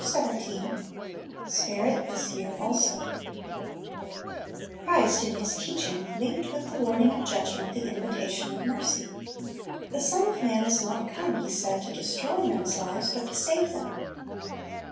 8 ''Spare It This Yea7^ Also" /^~^HRIST in His teaching linked with the warning of ^^ judgment the invitation of mercy. "The Son of man is not come," He said, "to destroy men's hves, but to save them."